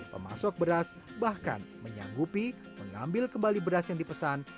pemasok beras bahkan menyanggupi mengambil kembali beras yang dipesan